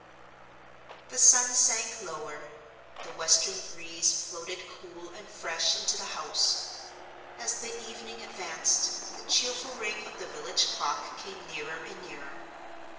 The sun sank lower; the western breeze floated cool and fresh into the house. As the evening advanced, the cheerful ring of the village clock came nearer and nearer.